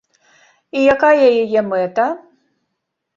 І якая яе мэта?